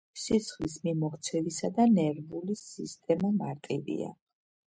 სისხლის მიმოქცევისა და ნერვული სისტემა მარტივია.